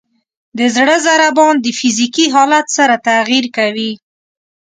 د زړه ضربان د فزیکي حالت سره تغیر کوي.